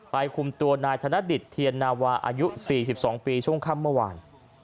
คุมตัวนายธนดิตเทียนนาวาอายุ๔๒ปีช่วงค่ำเมื่อวาน